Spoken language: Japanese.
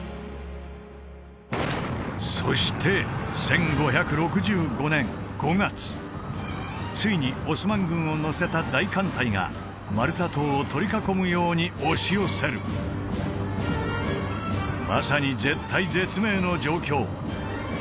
そして１５６５年５月ついにオスマン軍を乗せた大艦隊がマルタ島を取り囲むように押し寄せるまさに絶体絶命の状況！